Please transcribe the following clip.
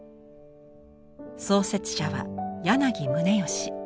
創設者は柳宗悦。